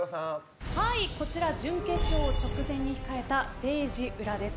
はい、こちら準決勝を直前に控えたステージ裏です。